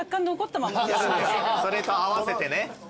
それと合わせてね。